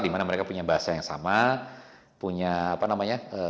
dimana mereka punya bahasa yang sama punya apa namanya